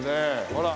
ほら。